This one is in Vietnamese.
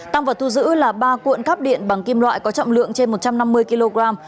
tăng vật thu giữ là ba cuộn cắp điện bằng kim loại có trọng lượng trên một trăm năm mươi kg